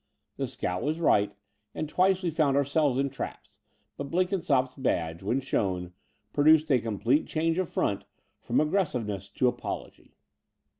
The scout was right, and twice we found ourselves in traps; but Blenkinsopp's badge, when shown, produced a complete change of front from aggressiveness to apology.